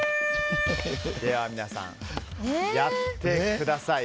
皆さん、やってください。